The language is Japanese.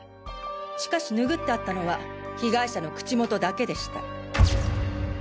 しかし拭ってあったのは被害者の口元だけでした。